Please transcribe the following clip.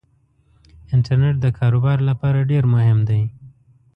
انټرنيټ دکار وبار لپاره ډیرمهم دی